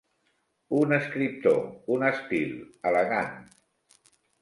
Un escriptor, un estil, elegant.